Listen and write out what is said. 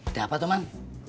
ada apa tuman